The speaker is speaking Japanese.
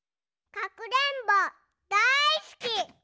かくれんぼだいすき！